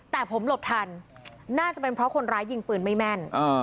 แต่ผมหลบทันน่าจะเป็นเพราะคนร้ายยิงปืนไม่แม่น